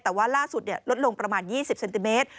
แต่ว่าล่าสุดลดลงประมาณ๒๐เซนติเมตร